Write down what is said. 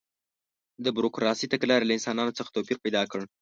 د بروکراسي تګلارې له انسانانو څخه توپیر پیدا کړ.